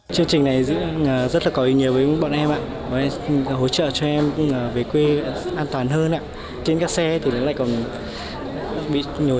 chương trình này có thể giúp đỡ một phần chi phí cho các bạn sinh viên đặc biệt là những bạn sinh viên ở xa